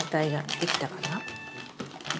できたかな？